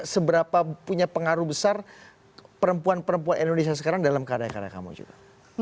seberapa punya pengaruh besar perempuan perempuan indonesia sekarang dalam karya karya kamu juga